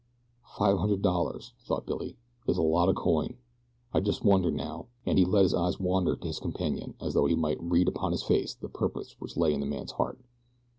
"Five hundred dollars," thought Billy, "is a lot o' coin. I just wonder now," and he let his eyes wander to his companion as though he might read upon his face the purpose which lay in the man's heart.